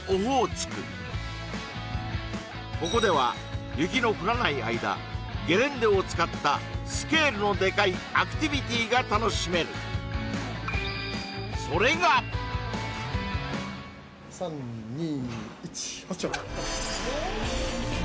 ここでは雪の降らない間ゲレンデを使ったスケールのでかいアクティビティが楽しめるこんなにね